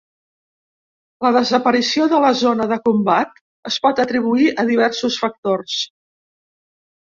La desaparició de la Zona de combat es pot atribuir a diversos factors.